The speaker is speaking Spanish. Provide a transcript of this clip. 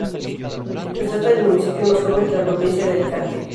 Se trata del municipio más joven de la provincia de Alicante.